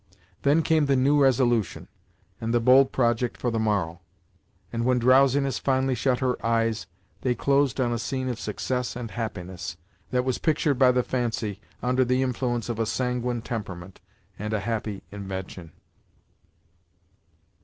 Then came the new resolution, and the bold project for the morrow, and when drowsiness finally shut her eyes, they closed on a scene of success and happiness, that was pictured by the fancy, under the influence of a sanguine temperament, and a happy invention.